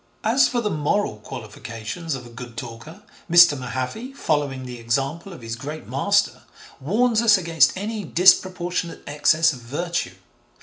As for the moral qualifications of a good talker, Mr. Mahaffy, following the example of his great master, warns us against any disproportionate excess of virtue.